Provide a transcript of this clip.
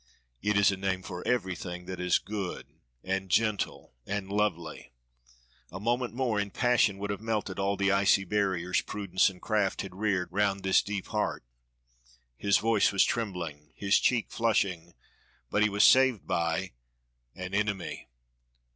"It is a name for everything that is good and gentle and lovely " A moment more and passion would have melted all the icy barriers prudence and craft had reared round this deep heart. His voice was trembling, his cheek flushing; but he was saved by an enemy.